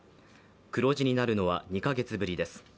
黒字になるのは２か月ぶりです。